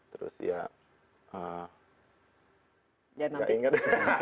terus ya nggak inget